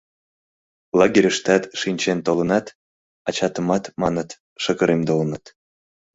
Лагерьыштат шинчен толынат, ачатымат, маныт, шыгыремдылыныт...